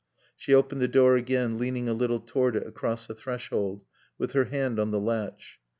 She opened the door again, leaning a little toward it across the threshold with her hand on the latch.